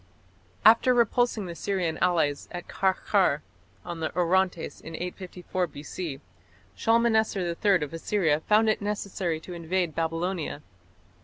After repulsing the Syrian allies at Qarqar on the Orontes in 854 B.C., Shalmaneser III of Assyria found it necessary to invade Babylonia.